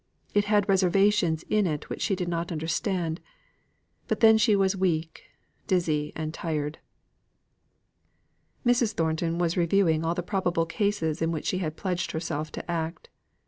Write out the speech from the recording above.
It had reservations in it which she did not understand: but then she was weak, dizzy, and tired. Mrs. Thornton was reviewing all the probable cases in which she had pledged herself to act.